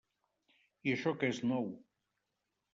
I això que és nou.